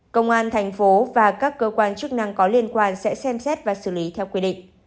công an thành phố và các cơ quan chức năng có liên quan sẽ xem xét và xử lý theo quy định